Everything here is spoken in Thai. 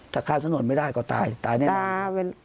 ถ้าข้ามถนนไม่ได้ก็ตายตายแน่